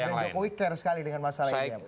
dan presiden joko wiktar sekali dengan masalah ini